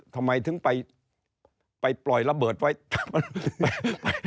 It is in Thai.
ทำไมถึงไปปล่อยระเบิดไว้